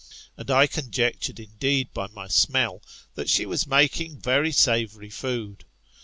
And I conjectured indeed by my smell that she was making very savoury food.